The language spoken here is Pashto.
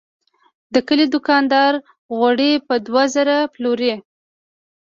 د کلي دوکاندار غوړي په دوه زره پلوري.